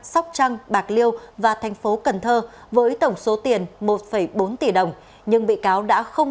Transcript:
sóc trăng bạc liêu và tp cn với tổng số tiền một bốn tỷ đồng nhưng bị cáo đã không